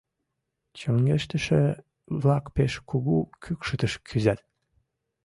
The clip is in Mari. «Чоҥештыше-влак пеш кугу кӱкшытыш кӱзат.